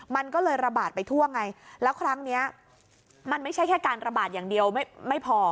มันก็เลยระบาดไปทั่วไงแล้วครั้งนี้มันไม่ใช่แค่การระบาดอย่างเดียวไม่พอ